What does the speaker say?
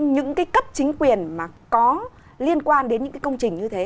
những cái cấp chính quyền mà có liên quan đến những cái công trình như thế